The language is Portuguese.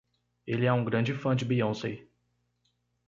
Ele é um grande fã de Beyoncé.